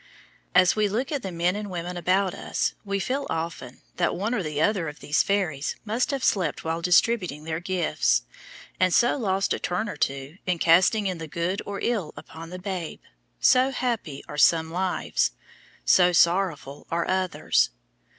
As we look at the men and women about us we feel, often, that one or the other of these fairies must have slept while distributing their gifts and so lost a turn or two in casting in the good or ill upon the babe, so happy are some lives, so sorrowful are others.